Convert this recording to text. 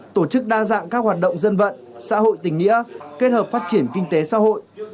tổ chức đa dạng các hoạt động dân vận xã hội tình nghĩa kết hợp phát triển kinh tế xã hội